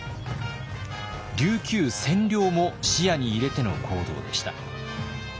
琉球占領も視野に入れての行動でした。